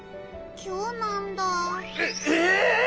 きょうなんだ。え！？